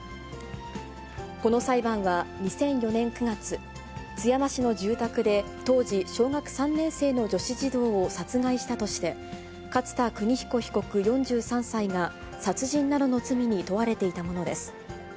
この裁判は２００４年９月、津山市の住宅で、当時小学３年生の女子児童を殺害したとして、勝田州彦被告４３歳が、殺人などの罪に問われていたものです。